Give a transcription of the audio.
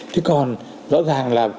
thế còn rõ ràng là